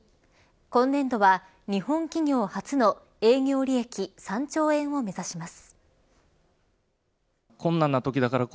今年度は日本企業初の営業利益３兆円を目指します。